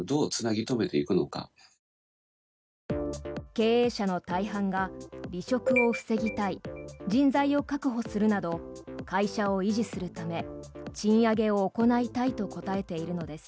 経営者の大半が離職を防ぎたい人材を確保するなど会社を維持するため賃上げを行いたいと答えているのです。